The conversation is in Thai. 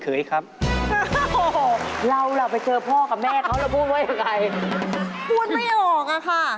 คุณภูมิเขาพูดไม่ออกอะค่ะ